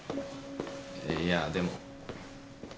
いやでも。